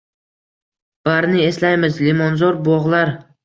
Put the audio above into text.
Barini eslaymiz, limonzor bog’lar